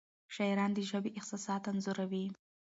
شاعران د ژبې احساسات انځوروي.